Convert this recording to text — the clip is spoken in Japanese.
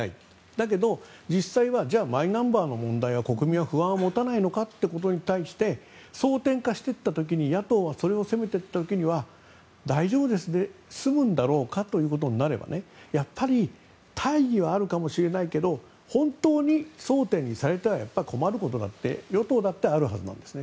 だけど実際はマイナンバーの問題は国民が不安を持たないのかということに対して争点化していった時に野党はそれを責めた時には大丈夫ですで済むんだろうかということになればやっぱり大義はあるかもしれないけど本当に争点にされたら困ることだって与党だってあるはずなんです。